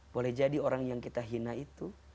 boleh jadi orang yang kita hina itu